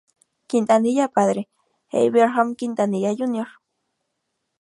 Quintanilla padre, Abraham Quintanilla, Jr.